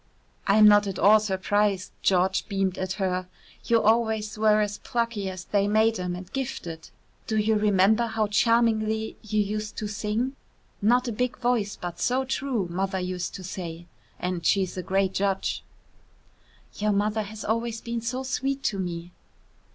"I'm not at all surprised." George beamed at her. "You always were as plucky as they made 'em and gifted. Do you remember how charmingly you used to sing? 'Not a big voice, but so true,' Mother used to say, and she's a great judge." "Your mother has always been so sweet to me."